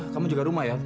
kamu jaga rumah ya